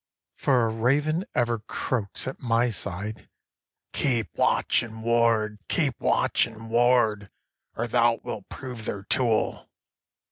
7. For a raven ever croaks, at my side, Keep watch and ward, keep watch and ward, Or thou wilt prove their tool.